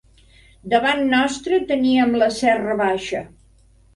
Davant nostre teníem la serra baixa